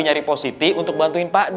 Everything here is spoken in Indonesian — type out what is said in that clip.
nyari positi untuk bantuin pak d